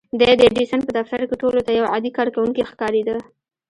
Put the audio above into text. دی د ايډېسن په دفتر کې ټولو ته يو عادي کارکوونکی ښکارېده.